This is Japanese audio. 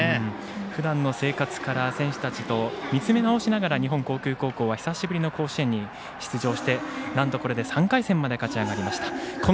ふだんの生活から選手たちと見つめ直しながら日本航空高校は久しぶりの甲子園に出場してなんと、これで３回戦まで勝ち上がりました。